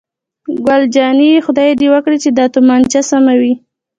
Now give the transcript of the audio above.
ګل جانې: خدای دې وکړي چې دا تومانچه سمه وي.